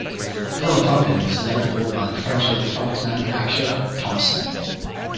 Telefunken was later bought by the French electronics manufacturer Thomson.